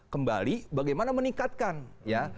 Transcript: kembali bagaimana meningkatkan ya